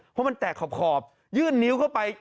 เพราะมันแตกขอบยื่นนิ้วเข้าไป